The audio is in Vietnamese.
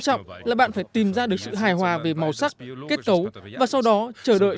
trọng là bạn phải tìm ra được sự hài hòa về màu sắc kết cấu và sau đó chờ đợi